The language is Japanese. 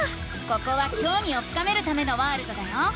ここはきょうみを深めるためのワールドだよ。